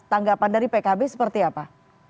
tanggapan dari pkb seperti apa